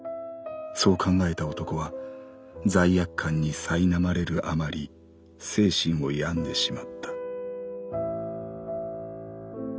そう考えた男は罪悪感に苛まれるあまり精神を病んでしまった」。